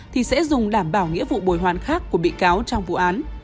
thì sẽ dùng đảm bảo nghĩa vụ bồi hoàn khác của bị cáo trong vụ án